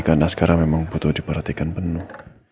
karena askara memang butuh diperhatikan penuh